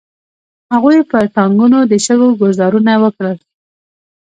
هغوی پر ټانګونو د شګو ګوزارونه وکړل.